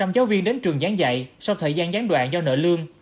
một trăm linh giáo viên đến trường gián dạy sau thời gian gián đoạn do nợ lương